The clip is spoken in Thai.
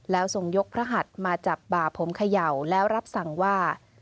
แล้วทรงยกพระหัดมาจับบ่าผมเขย่าแล้วรับสั่งว่า